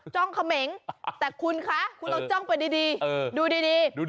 จ้องเขมงแต่คุณคะคุณลองจ้องไปดีดูดี